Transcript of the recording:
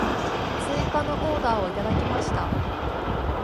追加のオーダーをいただきました。